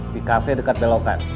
di cafe dekat belokan